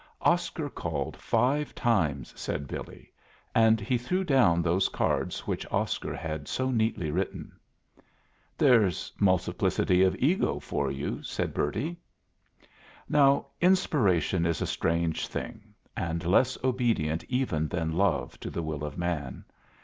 "Oscar called five times," said Billy; and he threw down those cards which Oscar had so neatly written. "There's multiplicity of the ego for you!" said Bertie. Now, inspiration is a strange thing, and less obedient even than love to the will of man.